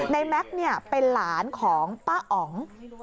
แม็กซ์เป็นหลานของป้าอ๋อง